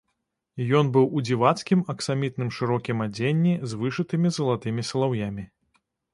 Ён быў у дзівацкім аксамітным шырокім адзенні з вышытымі залатымі салаўямі.